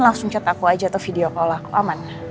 langsung chat aku aja atau video call aku aman